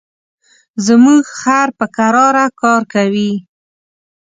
زموږ خر په کراره کار کوي.